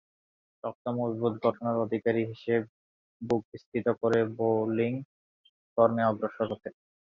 শক্ত মজবুত গড়নের অধিকারী হিসেব বুক স্ফীত করে বোলিং কর্মে অগ্রসর হতেন।